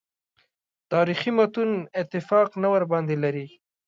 تاریخي متون اتفاق نه ورباندې لري.